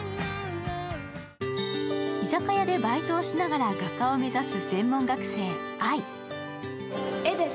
居酒屋でバイトをしながら画家を目指す専門学生、愛。